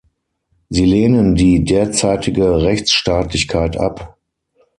Sie lehnen die derzeitige Rechtsstaatlichkeit ab.